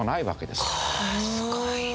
すごいな。